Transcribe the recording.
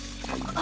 あ。